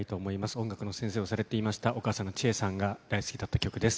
音楽の先生をされていました、お母さんの千恵さんが大好きだった曲です。